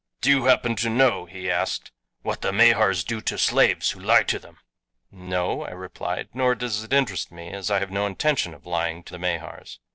"Do you happen to know," he asked, "what the Mahars do to slaves who lie to them?" "No," I replied, "nor does it interest me, as I have no intention of lying to the Mahars."